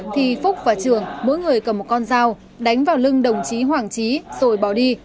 thì phúc và trường mỗi người cầm một con dao đánh vào lưng đồng chí hoàng trí rồi bỏ đi